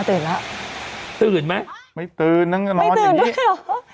พ่อตื่นแล้วตื่นไหมไม่ตื่นนั่งนอนอย่างนี้ไม่ตื่นด้วยหรอ